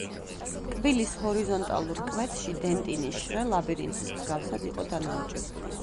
კბილის ჰორიზონტალურ კვეთში დენტინის შრე ლაბირინთის მსგავსად იყო დანაოჭებული.